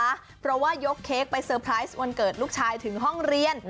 เพราะว่ายกเค้กไปเซอร์ไพรส์วันเกิดลูกชายถึงห้องเรียน